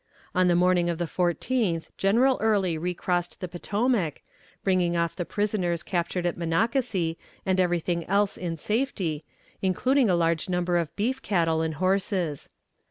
On the morning of the 14th General Early recrossed the Potomac, bringing off the prisoners captured at Monocacy and everything else in safety, including a large number of beef cattle and horses.